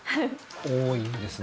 多いんですね。